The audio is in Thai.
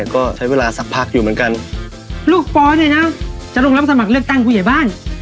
แต่ก็ใช้เวลาสักพักอยู่เหมือนกัน